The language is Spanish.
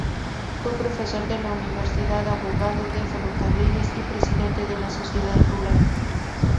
Fue profesor de la Universidad, abogado de ferrocarriles y presidente de la Sociedad Rural.